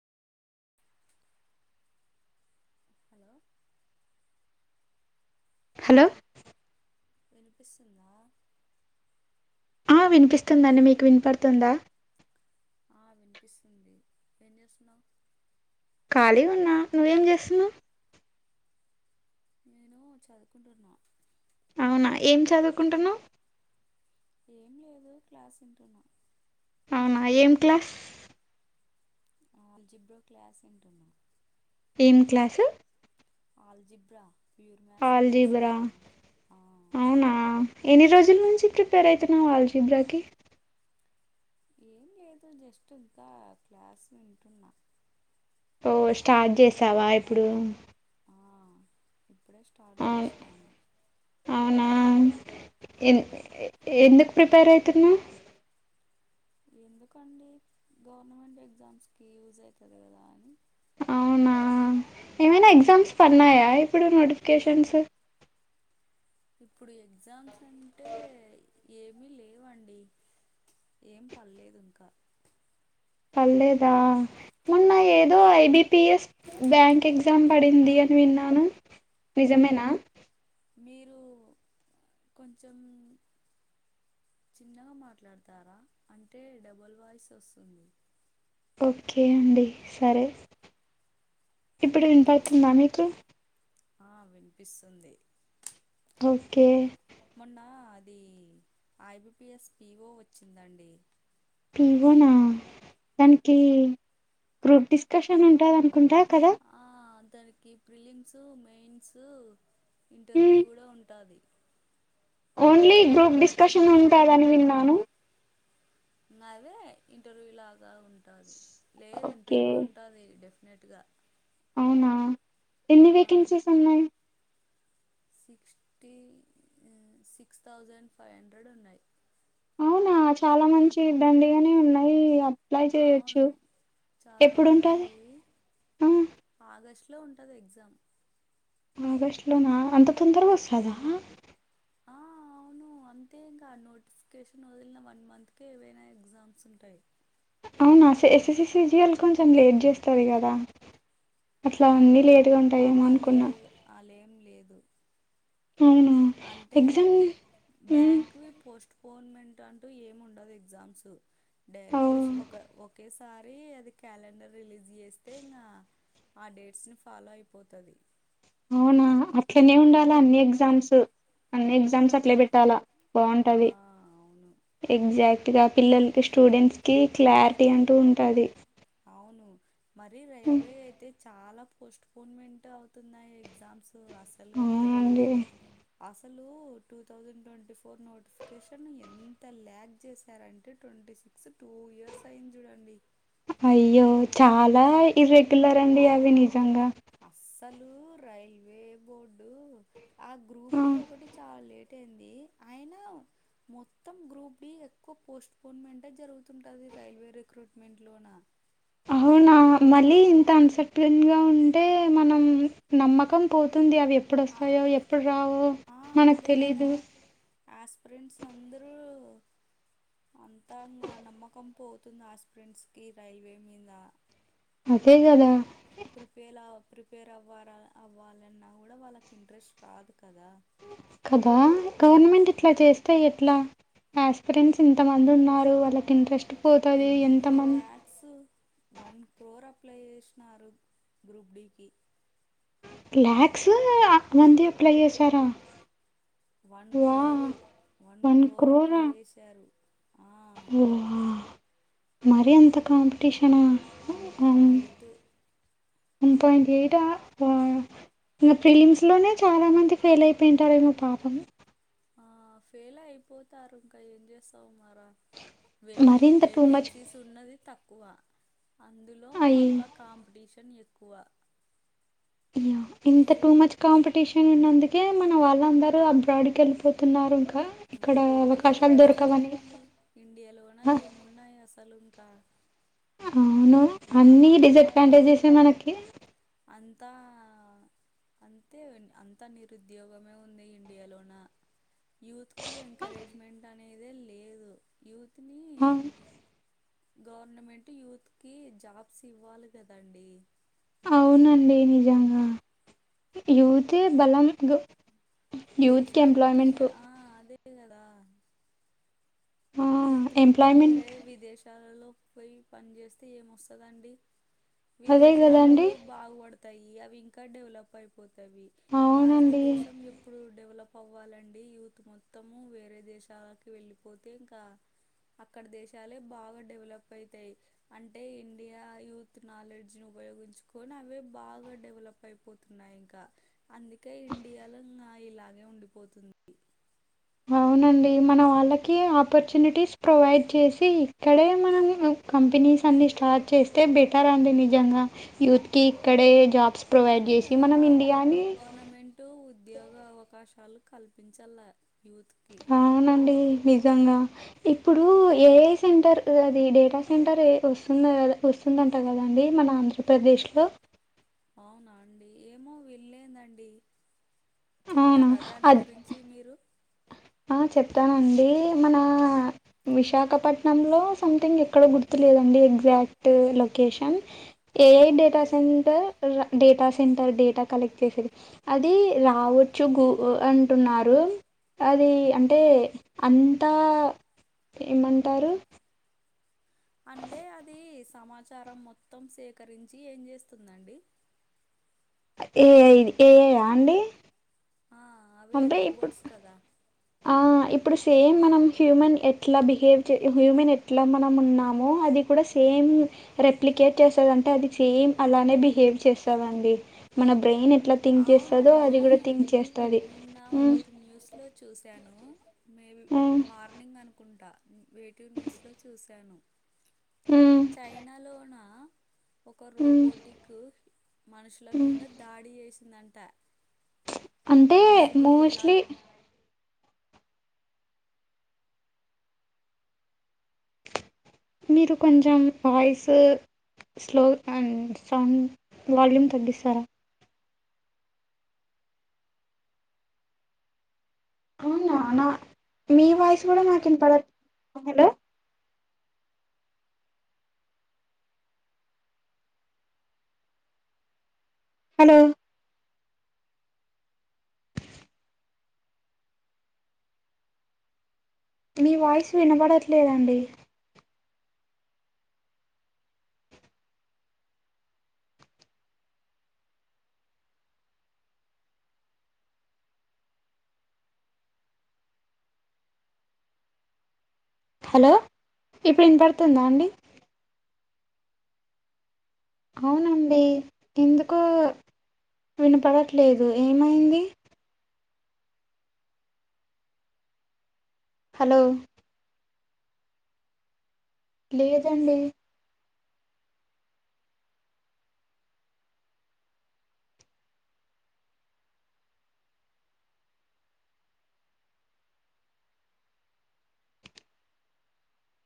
Hello hello వినిపిస్తుందా వినిపిస్తుందండి మీకు వినిపడుతుంద ఆ వినిపిస్తుంది ఏం చేస్తున్నావు ఖాళీ ఉన్నా నువ్వేం చేస్తున్నావ్ నేను చదువుకుంటున్నా అవునా ఏం చదువుకుంటునవ్ ఏం లేదు క్లాస్ వింటున్నా అవునా ఏం క్లాస్ అలజీబ్రా క్లాస్ వింటున్న ఏం class algebra pure maths class algebra వింటున్నా అవునా ఎన్ని రోజుల నుంచి ప్రిపేర్ అయితున్నావ్ ఆల్ జీబ్రాకి ఏం లేదు జస్ట్ ఇంక క్లాస్ వింటున్నా ఓ స్టార్ట్ చేసావ ఇప్పుడు ఆ ఇప్పుడే స్టార్ట్ అవును చేసినాను అవునా ఎ ఎందుకు ప్రిపేర్ అయితున్నావ్ ఎందుకండి గవర్నమెంట్ ఎగ్జామ్స్కి యూజ్ అయితది గదా అని అవునా ఏమైనా వింటున్నా ఎగ్జామ్స్ పన్నాయా ఇప్పుడు నోటిఫికేషన్స్ ఇప్పుడు ఎగ్జామ్స్ అంటే ఏమీ లేవండి ఏం పల్లేదు ఇంకా పల్లెద మొన్న ఆ ఏదో ఐబిపీఎస్ బ్యాంక్ ఎగ్జామ్ పడింది అని విన్నాను నిజమేన మీరు కొంచం చిన్నగ మాట్లాడతారా అంటే డబుల్ వాయిస్ వస్తుంది ఓకే అండి సరే. ఇప్పుడు ఆ వినపడుతుందా మీకు? ఆ వినిపిస్తుంది ఓకే మా మొన్న అది ఐబిపీఎస్ పీవో వచ్చిందండి. పివోనా దానికి గ్రూప్ డిస్కషన్ ఉంటాది అనుకుంటా కదా. ఆ దానికి ఫ్రీలిమ్స్, మెయిన్స్, ఇంటర్వ్యూ మ్మ్. కూడా ఉంటాది. ఓన్లీ గ్రూప్ డిస్కషన్ ఉంటాదని విన్నాను. మరే ఇంటర్వ్యూ లాగా ఉంటాది. లేదు ఓకే ఇంటర్వ్యూ ఉంటాది డెఫినెట్ గా. అవునా, ఎన్ని వేకెన్సీస్ ఉన్నాయి? Sixty six thousand five hundred ఉన్నాయి. అవునా చాలా మంచి దండిగనే ఉన్నయి. అప్లై చేయొచ్చు అవును చాలా ఎప్పుడు ఉంటాది. ఆ ఆగస్టులో ఉంటది ఎగ్జామ్. ఆగస్టులోనా అంత తొందరగా వొస్తాదా. ఆ అవు ను అంతే ఇంకా నోటిఫికేషన్ వదిలిన వన్ మంత్కే ఏవైనా ఎగ్జామ్స్ ఉంటయి. అవునా ఎస్ఎస్సిసిజిఎల్ కొంచెం లేట్ చేస్తది కదా. ఆ అట్లా అన్నీ లేటుగా ఉంటాయేమో అనుకున్నా. అలేం లేదు. అవునా అంటే ఎగ్జామ్ హ్మ్ బ్యాంక్వి పోస్ట్ పోన్మెంట్ అంటూ ఏమ్ ఉండదు ఎగ్జామ్స్. అవు డైరెక్ట్ ఒక ఒకేసారి అది క్యాలెండర్ రిలీజ్ చేస్తే ఇంగా ఆ డేట్స్ ని ఫాలో అయిపోతది. అవునా అట్లనే ఉండాల అన్ని ఎగ్జామ్స్, అన్ని ఎగ్జామ్స్ అట్లే పెట్టాలా. ఆ బావుంటది అవును ఎగ్జాక్ట్ గా పిల్లలకి, స్టూడెంట్స్ కి క్లారిటీ మరి అంటూ ఉంటది. అవును మరి రైల్వే అయితే చాలా పోస్ట్పోన్మెంట్ అవుతున్నాయి ఎగ్జామ్స్. అసలుకి అవునండి అస్ అసలు two thousand twenty four notification ఎంత ల్యాగ్ చేశారంటే ట్వంటీ సిక్స్ టూ ఇయర్స్ అయింది జూడండి. అయ్యో చాలా ఇర్రెగ్యులర్ అండి అవి నిజంగా. అస్సలు రైల్వే బోర్డు ఆ గ్రూప్ ఆ డి ఒకటి చాలా లే టయింది అయినా మొత్తం గ్రూప్ డి ఎక్కువ పోస్ట్ పొన్మెంటే జరుగుతుంటది రైల్వే రిక్రూట్మెంట్ లోన. అవునా మళ్ళీ ఇంత అన్సర్టన్గా ఉంటే మనం నమ్మకం పోతుంది అవి ఎప్పుడు ఆ వస్తాయో, ఎప్పుడు రావో. ఆ మనకు అదే గదా తెలీదు యాస్పిరెంట్స్ అందరూ అంతా ఇంగ నమ్మకం పోతుంది ఆస్పిరెంట్స్ కి రైల్వే మీద. అదే కదా ప్రిపేర్ ప్రిపేల ప్రిపేర్ అవ్వారా అవ్వాలన్నా కూడా వాళ్ళకి ఇంట్రెస్ట్ రాదు కదా. కదా గవర్నమెంట్ ఆ ఇట్లా చేస్తే ఎట్లా యాస్పిరెంట్స్ ఇంత మంది ఉన్నారు వాళ్ళకి ఇంట్రెస్ట్ పోతది ఎంత మం క్స్ వన్ క్రోర్ అప్లై చేశినారు గ్రూప్ డీకి. లాక్స్ మంది అప్లై చేసారా one crore one crore apply జేసారు ఆ ఆ మరి అంత కాంపిటీషనా one point eight one point ఎయిటా హ ఇంకా ప్రిలిమ్స్ లోనే చాలా మంది ఫెయిల్ అయిపోయింటారు ఏమో పాపం ఆ ఫెయిల్ అయిపోతారు ఇంకా ఏం చేస్తావు మరా వే మరింత టూ మచ్ వేకెన్సీస్ ఉన్నది తక్కువ అందులో అయి మళ్ళా కాంపిటీషన్ ఎక్కువ హ్మ్ ఇంత సో టూ మచ్ కాంపిటీషన్ ఉన్నందుకే మన వాళ్ళందరూ అబ్రాడ్ కెళ్ళిపోతున్నారు ఇంకా ఇంగ ఇక్కడ పోక ఏం అవకాశాలు దొరకవని. చేస్తారులేండి ఇండియాలోన ఆ! ఏమున్నాయి అసలు ఇంకా అవును అన్ని అంతా డిసడ్వాంటేజెస్సే మనకి అంతా అంతే అంతా నిరుద్యోగమే ఉంది ఇండియాలోన యూత్ కి ఎంకరేజ్మెంట్ అనేదే లేదు యూత్ ని ఆ! గవర్నమెంట్ యూత్ కి జాబ్స్ ఇవ్వాలి కదండి అవునండి నిజంగా యూత్ ఏ బలం యూత్‌కి దేశానికి ఎంప్లాయ్‌మెంట్ ఆ అదే గదా ఆ! యూత్ మొత్తం వేరే ఎంప్లాయ్‌మెంట్ విదేశాలలో పోయి పని జేస్తే ఏమొస్తదండి అదే విదేశాలు గదండీ! బాగుపడతాయి అవి ఇంకా డెవలప్ అయిపోతవి అవునండి. భారతదేశం ఎప్ ఇప్పుడు డెవలప్ అవ్వాలండి యూత్ మొత్తము వేరే దేశాలకి వెళ్ళిపోతే ఇంకా అక్కడ దేశాలే బాగా డెవలప్ అయితాయి అంటే ఇండియా యూత్ నాలెడ్జ్ ని ఉపయోగించుకొని అవే బాగా డెవలప్ అయిపోతున్నాయి ఇంకా అందుకే ఇండియాలో నాయి ఇంకా ఇలాగే ఉండిపోతుంది అవునండి మన వాళ్ళకి ఆపర్చునిటీస్ ప్రొవైడ్ జేసి ఇక్కడే మనం కంపెనీస్ అన్ని స్టార్ట్ చేస్తే బెటర్ అండి నిజంగా యూత్ కి ఇక్కడే జాబ్స్ ప్రొవైడ్ అదే జేసి కదా మనం ఇండియాని గవర్నమెంటు ఉద్యోగ అవకాశాలు కల్పించాల యూత్కి అవునండి నిజంగా ఇప్పుడు ఏఐ సెంటర్ అది డేటా సెంటర్ వస్తుంది వస్ ఉందంట కదండి మన ఆంధ్రప్రదేశ్లో అవునా అండి ఏమో విన్లేదండి అవునా చెప్తారా దాని అది గురిం చి మీరు ఆ చెప్తానండి మన విశాఖపట్నంలో సంథింగ్ ఎక్కడ గుర్తులేదండి exact location AI data okay center రా డేటా సెంటర్ డేటా కలెక్ట్ చేసేది అది రావచ్చు గూగు అంటున్నారు అది అంటే అంతా ఏమంటారు అంటే అది సమాచారం మొత్తం సేకరించి ఏం చేస్తుందండి ఏఐ ఏఐయా అండి ఆ అవే అంటే ఇప్పుడు రోబోట్స్ కదా ఆ ఇప్పుడు సేమ్ మనం హ్యూమన్ ఎట్లా బిహేవ్ చే హ్యూమన్ ఎట్లా మనం ఉన్నామో అది కుడా సే సేమ్ రెప్లికేట్ చేస్తదంటే అది సేమ్ అలానే బిహేవ్ చేస్తదండి మన బ్రెయిన్ ఎట్లా థింక్ చేస్తుందో అవునండి అది కూడా థింక్ చేస్తుంది నిన్న ఒకటి న్యూస్ లో చూశాను మేబి మార్నింగ్ అనుకుంటా వెేటూ న్యూస్ లో చూశాను చైనాలోనా ఒక రోబోటిక్ మనుషుల మీద దాడి చేసిందంట అంటే మనుషులు ఎలా మోస్ట్లీ మీరు కొంచెం voice slow and sound volume తగ్గిస్తారా అవునా నా మీ వాయిస్ గూడా నాకు వినపడ హలో హలో మీ వాయిస్ వినబడట్లేదండి హలో ఇప్పుడు వినపడుతుందా అండి అవునండి ఎందుకో వినపడట్లేదు ఏమైంది హలో లేదండి